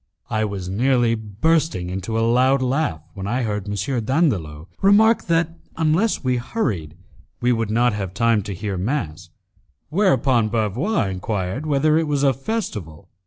I was nearly bursting into a loud laugh, when I heard M. Dandolo remark that, unless we hurried, we would not have time to hear mass, whereupon Bavois enquired whether it was a festival.